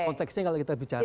konteksnya kalau kita bicara